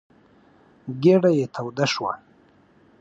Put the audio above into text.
ګېډه يې توده شوه.